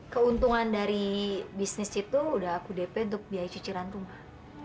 keuntungan dari bisnis itu udah aku dp untuk biaya cuciran rumah